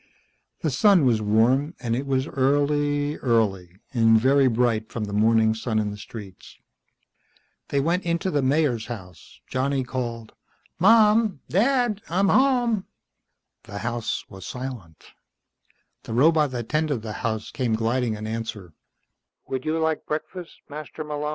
The sun was warm, and it was early, early, and very bright from the morning sun in the streets. They went into the Mayor's house. Johnny called, "Mom! Dad! I'm home." The house was silent. The robot that tended the house came gliding in answer.